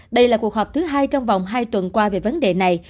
đây là cuộc họp thứ hai trong vòng hai tuần qua về vấn đề này